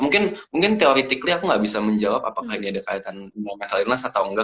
mungkin mungkin theoretically aku gak bisa menjawab apakah ini ada kaitan dengan mental illness atau enggak